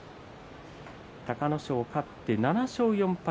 隆の勝、勝って７勝４敗。